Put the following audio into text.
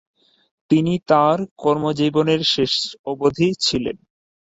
তিনি তাঁর কর্মজীবনের শেষ অবধি ছিলেন।